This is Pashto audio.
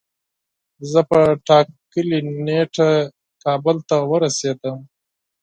زه په ټاکلی نیټه کابل ته ورسیدلم